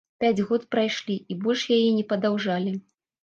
Пяць год прайшлі, і больш яе не падаўжалі.